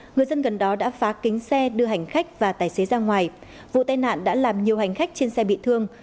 người dân gần đó đã phá kính xe đưa hành khách và tài xế ra ngoài vụ tai nạn đã làm nhiều hành khách trên xe bị thương